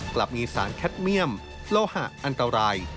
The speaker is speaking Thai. กลับมีสารแคทเมี่ยมโลหะอันตราย